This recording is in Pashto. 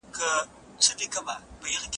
کمپيوټر د هېک کېدلو مخ نيسي.